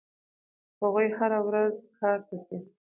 هغوی هره ورځ ښار ته ځي.